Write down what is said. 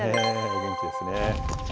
お元気ですね。